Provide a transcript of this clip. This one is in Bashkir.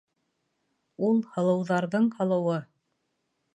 Ул һылыуҙарҙың һылыуы.